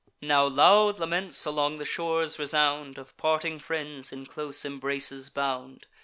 Now loud laments along the shores resound, Of parting friends in close embraces bound.